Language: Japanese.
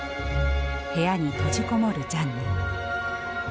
部屋に閉じ籠もるジャンヌ。